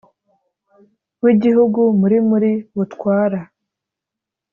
w igihugu muri muri butwara